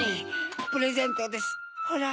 プレゼントですホラ。